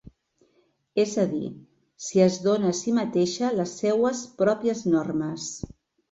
És a dir, si es dona a si mateixa les seues pròpies normes.